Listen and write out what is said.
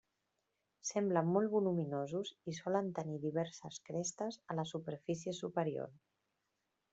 Semblen molt voluminosos i solen tenir diverses crestes a la superfície superior.